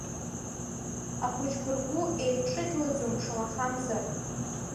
Ахәыҷқәа ргәы еидҿыӷьлаӡом шамахамзар.